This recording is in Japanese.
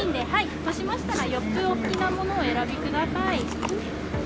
そうしましたら、４つお好きなものをお選びください。